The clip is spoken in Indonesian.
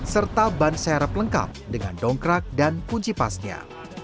serta ban serep lengkap dengan dongkrak dan kunci pasnya